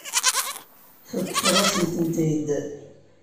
Teṭṭfeḍ-asen-tent-id.